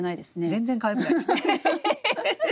全然かわいくないですね。